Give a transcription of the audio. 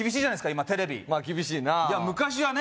今テレビ厳しいな昔はね